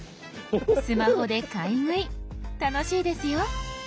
スマホで買い食い楽しいですよ。